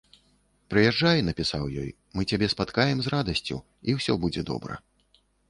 Прыязджай, напісаў ёй, мы цябе спаткаем з радасцю, і ўсё будзе добра.